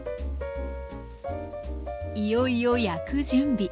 いよいよ焼く準備。